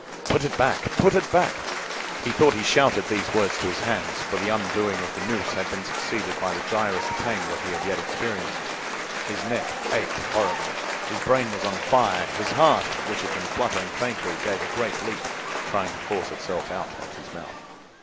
"Put it back, put it back!" He thought he shouted these words to his hands, for the undoing of the noose had been succeeded by the direst pang that he had yet experienced. His neck ached horribly; his brain was on fire, his heart, which had been fluttering faintly, gave a great leap, trying to force itself out at his mouth.